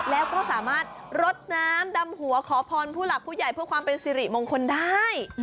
แล้วก็สามารถรดน้ำดำหัวขอพรผู้หลักผู้ใหญ่เพื่อความเป็นสิริมงคลได้